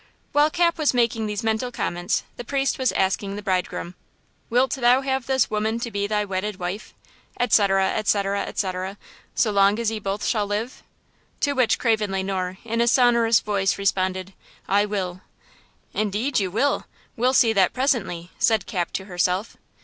While Cap was making these mental comments the priest was asking the bridegroom: "Wilt thou have this woman to be thy wedded wife," etc., etc., etc., "so long as ye both shall live?" To which Craven Le Noir, in a sonorous voice responded: "I will." "Indeed you will? We'll see that presently!" said Cap to herself.